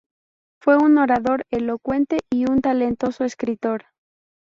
Fue un orador elocuente y un talentoso escritor.